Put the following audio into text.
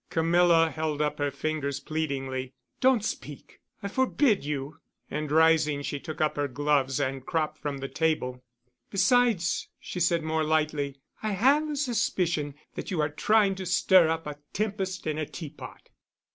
Camilla held up her fingers pleadingly. "Don't speak. I forbid you." And, rising, she took up her gloves and crop from the table. "Besides," she said more lightly, "I have a suspicion that you are trying to stir up a tempest in a teapot."